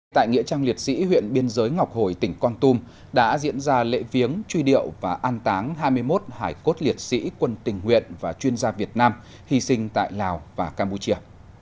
tại nghĩa trang liệt sĩ huyện biên giới ngọc hồi tỉnh con tum đã diễn ra lễ viếng truy điệu và an táng hai mươi một hải cốt liệt sĩ quân tình nguyện và chuyên gia việt nam hy sinh tại lào và campuchia